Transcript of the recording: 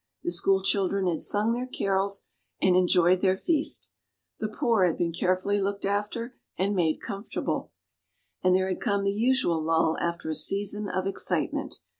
The school children had sung their carols and enjoyed their feast, the poor had been carefully looked after and made comfortable, and there had come the usual lull after a season of excitement.